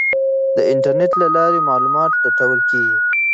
د انټرنیټ له لارې معلومات لټول کیږي.